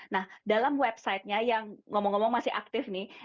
nah dalam websitenya yang ngomong ngomong masih aktif nih